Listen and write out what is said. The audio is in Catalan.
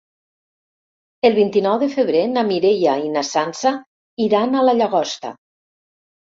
El vint-i-nou de febrer na Mireia i na Sança iran a la Llagosta.